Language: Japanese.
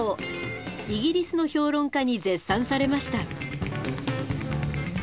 イギリスの評論家に絶賛されました。